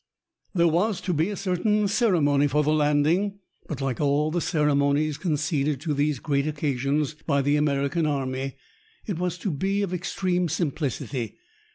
There was to be a certain ceremony for the landing, but, like all the ceremonies conceded to these great occasions by the American Army, it was to be of extreme simplicity.